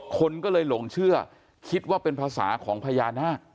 คนก็เลยหลงเชื่อคิดว่าเป็นภาษาของพญานาค